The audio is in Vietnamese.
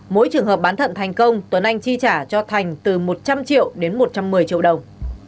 mỗi trường hợp bán thận thành công tuấn anh chi trả cho thành từ một trăm linh triệu đến một trăm một mươi triệu đồng